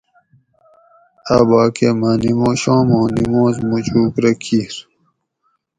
اۤباکہ مہ نیموشوم آں نماز مُچُوگ رہ کِیر